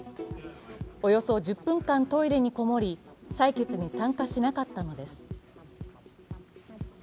およそ１０分間トイレにこもり採決に参加しなかったのです。